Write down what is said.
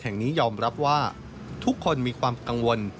แห่งนี้ยอมรับว่าทุกคนมีความกังวล